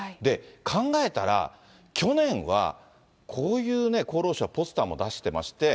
考えたら、去年は、こういう厚労省はポスターも出してまして。